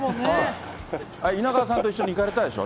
稲川さんと一緒に、行かれたでしょ？